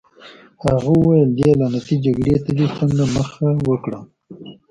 هغه وویل: دې لعنتي جګړې ته دې څنګه مخه وکړه؟